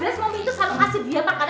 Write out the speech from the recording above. jelas jelas momi itu selalu kasih dia